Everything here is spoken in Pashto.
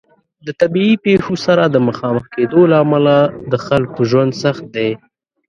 د طبیعي پیښو سره د مخامخ کیدو له امله د خلکو ژوند سخت دی.